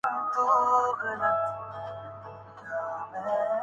رکھوں کچھ اپنی بھی مژگان خوں فشاں کے لیے